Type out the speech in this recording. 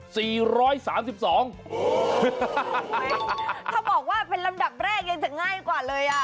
เขาบอกว่าเป็นลำดับแรกยังจะง่ายกว่าเลยอ่ะ